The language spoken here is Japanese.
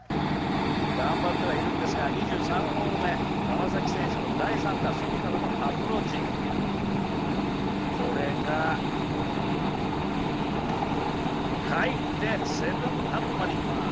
頑張ってはいるんですが、２３ホール目、馬場咲希選手の第３打外からのアプローチ、これが入って７アップまでいきます